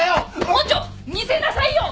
根性見せなさいよ！